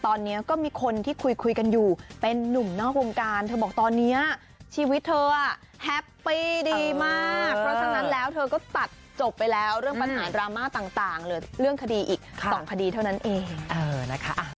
ตอนนี้ก็มีคนที่คุยกันอยู่เป็นนุ่มนอกวงการเธอบอกตอนนี้ชีวิตเธอแฮปปี้ดีมากเพราะฉะนั้นแล้วเธอก็ตัดจบไปแล้วเรื่องปัญหาดราม่าต่างหรือเรื่องคดีอีก๒คดีเท่านั้นเองนะคะ